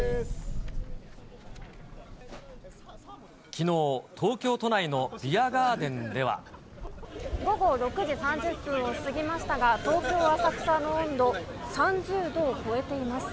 きのう、午後６時３０分を過ぎましたが、東京・浅草の温度、３０度を超えています。